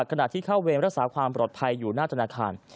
ขณะที่เข้าเวรรักษาความปลอดภัยอยู่หน้าธนาคาร